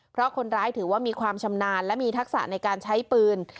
เพราะคนร้ายถือว่ามีความชำนาญและมีทักษะในการใช้ปืน